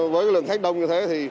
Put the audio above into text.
với lượng khách đông như thế